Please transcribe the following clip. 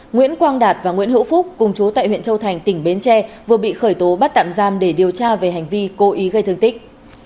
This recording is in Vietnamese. nguyễn quang đạt và nguyễn hữu phúc cùng chú tại huyện châu thành tỉnh bến tre vừa bị khởi tố bắt tạm giam để điều tra về hành vi cố ý gây thương tích